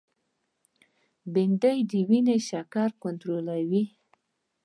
بېنډۍ د وینې شکر کنټرولوي